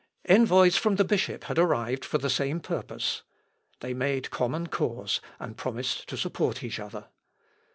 Envoys from the bishop had arrived for the same purpose. They made common cause, and promised to support each other.